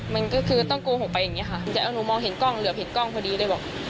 มันก็คือต้องโกหกไปอย่างนี้ค่ะหนูมองเห็นกล้องเหลือบเห็นกล้องพอดีเลยบอก